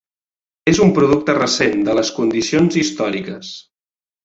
És un producte recent. de les condicions històriques.